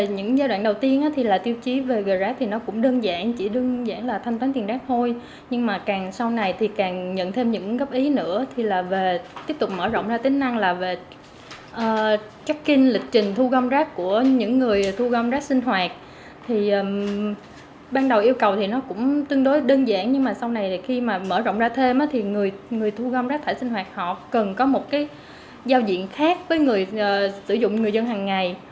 người thu gom rac thải sinh hoạt họ cần có một giao diện khác với người sử dụng người dân hằng ngày